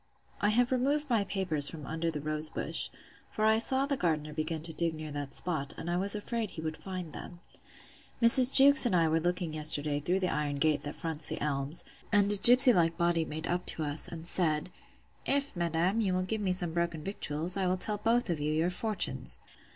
I have removed my papers from under the rose bush; for I saw the gardener begin to dig near that spot; and I was afraid he would find them. Mrs. Jewkes and I were looking yesterday through the iron gate that fronts the elms; and a gipsy like body made up to us, and said; If, madam, you will give me some broken victuals, I will tell you both your fortunes.